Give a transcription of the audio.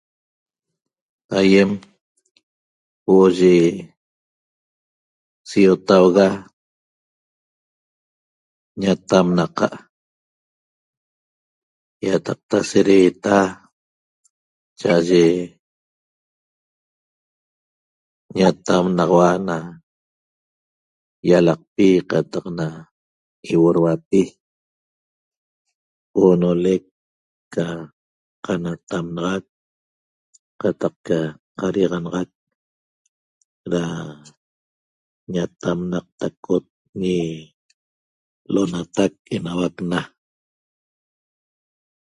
Aýem huo'o yi siotauga ñatamnaqa' ýataqta sedeeta cha'aye ñatamnaxaua na ýalaqpi qataq na iuoduapi oonolec ca qanatamnaxac qataq ca qadiaxanaxac da ñatamnaqtacot ñi L'onatac Enauac Na